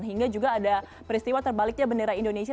hingga juga ada peristiwa terbaliknya bendera indonesia